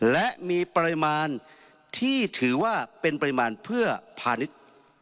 และมีปริมาณที่ถือว่าเป็นปริมาณเพื่อพาณิชย์